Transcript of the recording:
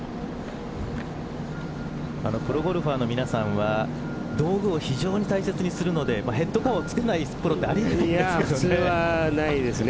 プロゴルファーの皆さんは道具を非常に大切にするのでヘッドカバーをつけないプロはあり得ないですよね。